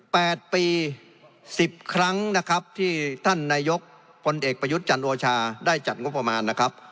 แปดปีสิบครั้งนะครับที่ท่านนายกพลเอกประยุทธ์จันโอชาได้จัดงบประมาณนะครับ